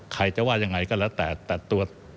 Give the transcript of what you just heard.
ใครจะว่ายังไงก็แล้วแต่แต่ตัว